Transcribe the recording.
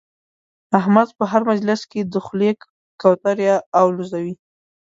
احمد په هر مجلس کې د خولې کوترې اولوزوي.